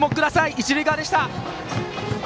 一塁側でした。